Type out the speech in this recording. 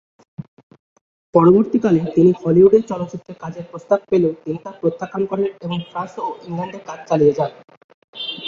পরবর্তী কালে তিনি হলিউডের চলচ্চিত্রে কাজের প্রস্তাব পেলেও তিনি তা প্রত্যাখ্যান করেন এবং ফ্রান্স ও ইংল্যান্ডে কাজ চালিয়ে যান।